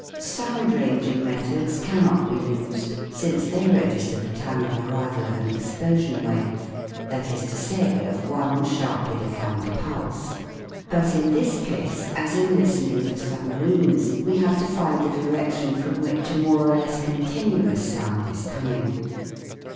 Sound ranging methods cannot be used, since they register the time of arrival of an explosion wave that is to '3 194 THE WORLD OF SOUND say, of one sharply defined pulse. But in this case as in listening for submarines, we have to find the direction from which a more or less continuous sound is coming.